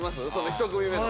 １組目の。